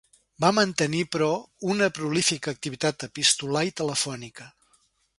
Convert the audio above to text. Va mantenir, però, una prolífica activitat epistolar i telefònica.